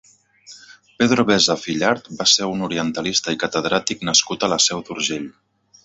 Pedro Vesa Fillart va ser un orientalista i catedràtic nascut a la Seu d'Urgell.